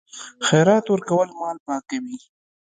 خیرات ورکول مال پاکوي.